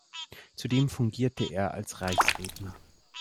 Zudem fungierte er als Reichsredner.